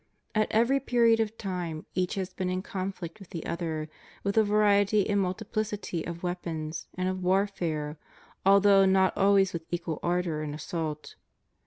At every period of time each has been in conflict with the other, with a variety and multiphcity of weapons, and of warfare, although not always with equal ardor and assault.